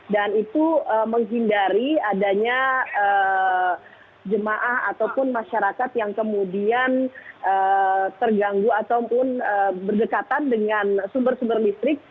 dan itu menghindari adanya jemaah ataupun masyarakat yang kemudian terganggu ataupun berdekatan dengan sumber sumber listrik